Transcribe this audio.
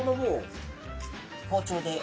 包丁で。